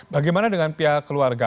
bagaimana dengan pihak keluarga